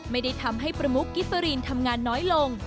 ไม่ได้ทำให้ประมุกกิฟเฟอรีนทำงานน้อยลง